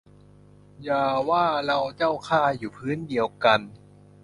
อย่าว่าเราเจ้าข้า อยู่พื้น เดียวกัน